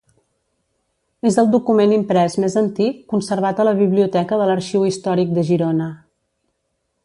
És el document imprès més antic conservat a la Biblioteca de l’Arxiu Històric de Girona.